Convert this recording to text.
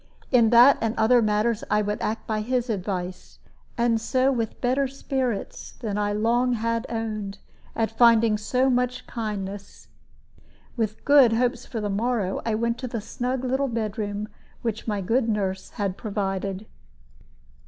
In that and other matters I would act by his advice; and so with better spirits than I long had owned, at finding so much kindness, and with good hopes of the morrow, I went to the snug little bedroom which my good nurse had provided.